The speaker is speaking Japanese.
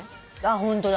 ホントだ。